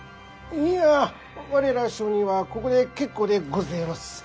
いんや我ら商人はここで結構でごぜえます。